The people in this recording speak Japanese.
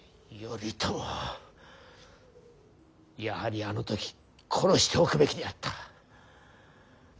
やはりあの時殺しておくべきであった。